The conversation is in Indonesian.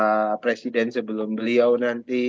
bapak presiden sebelum beliau nanti